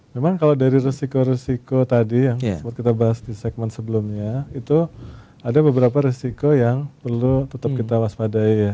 memang kalau dari resiko resiko tadi yang sempat kita bahas di segmen sebelumnya itu ada beberapa risiko yang perlu tetap kita waspadai ya